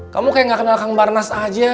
kamu kayak tidak kenal kang barnas saja